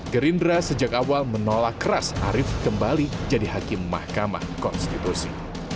gerindra sejak awal menolak keras arief kembali jadi hakim mahkamah konstitusi